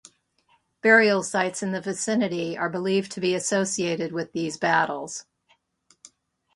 Burial sites in the vicinity are believed to be associated with these battles.